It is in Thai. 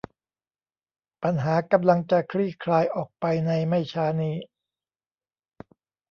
ปัญหากำลังจะคลี่คลายออกไปในไม่ช้านี้